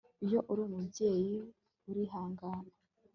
iyo uri umubyeyi urihangana